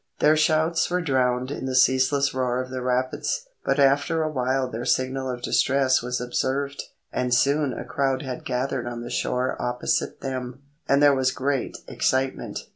Their shouts were drowned in the ceaseless roar of the rapids; but after a while their signal of distress was observed, and soon a crowd had gathered on the shore opposite them, and there was great excitement.